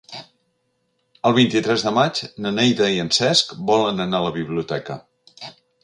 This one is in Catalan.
El vint-i-tres de maig na Neida i en Cesc volen anar a la biblioteca.